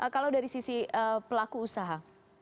kalau dari sisi pelaku usaha